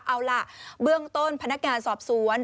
เอาล่ะเบื้องต้นพนักงานสอบสวน